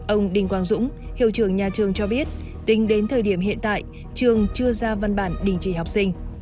ông đình quang dũng hiệu trưởng nhà trường cho biết tính đến thời điểm hiện tại trường chưa ra văn bản đình chỉ học sinh